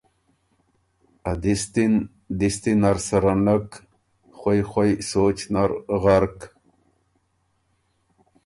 ا دِستی ن دِستی نر سَره نک، خوَئ خوَئ سوچ نر غرق،